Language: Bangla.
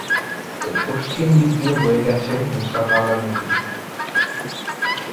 এর পশ্চিম দিক দিয়ে বয়ে গেছে মুসা কালা নদী।